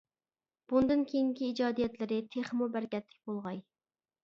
بۇندىن كېيىنكى ئىجادىيەتلىرى تېخىمۇ بەرىكەتلىك بولغاي.